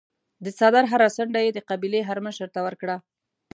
د څادر هره څنډه یې د قبیلې هرمشر ته ورکړه.